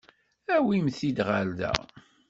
Awimt-t-id ɣer da.